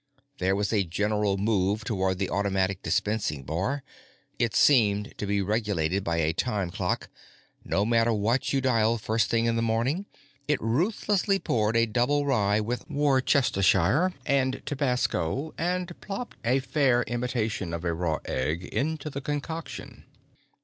There was a general move toward the automatic dispensing bar. It seemed to be regulated by a time clock; no matter what you dialed first thing in the morning, it ruthlessly poured a double rye with Worcestershire and tabasco and plopped a fair imitation of a raw egg into the concoction.